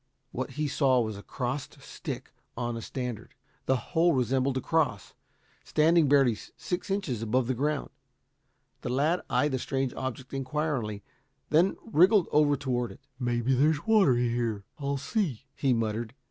What he saw was a crossed stick on a standard. The whole resembled a cross, standing barely six inches above the ground. The lad eyed the strange object inquiringly, then wriggled over toward it. "Maybe there's water here. I'll see," he muttered.